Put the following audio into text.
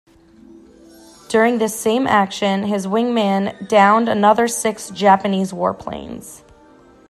During this same action, his wingman downed another six Japanese warplanes.